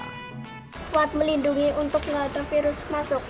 buat melindungi untuk tidak tervirus masuk